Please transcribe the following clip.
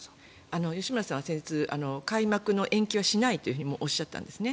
吉村さんが先日開幕の延期はしないとおっしゃったんですね。